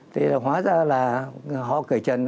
thế là hóa ra là họ cởi trần